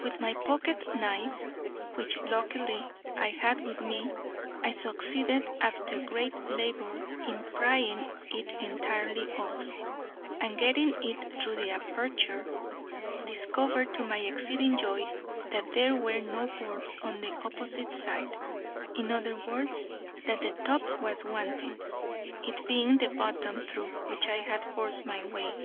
With my pocket knife, which, luckily, I had with me, I succeeded, after great labour, in prying it entirely off; and getting it through the aperture, discovered, to my exceeding joy, that there were no boards on the opposite side—in other words, that the top was wanting, it being the bottom through which I had forced my way.